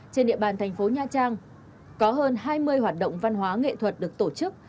trên địa bàn thành phố nha trang có hơn hai mươi hoạt động văn hóa nghệ thuật được tổ chức